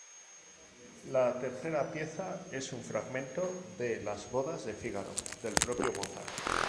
La tercera pieza es un fragmento de ""Las bodas de Fígaro"" del propio Mozart.